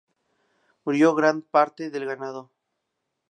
Murió gran parte del ganado.